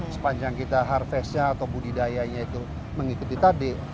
sepanjang kita harvest nya atau budidaya nya itu mengikuti tadi